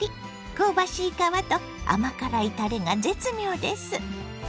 香ばしい皮と甘辛いたれが絶妙です。